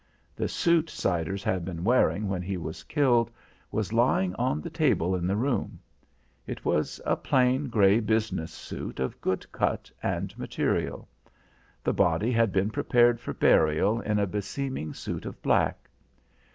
The suit Siders had been wearing when he was killed was lying on the table in the room. It was a plain grey business suit of good cut and material. The body had been prepared for burial in a beseeming suit of black.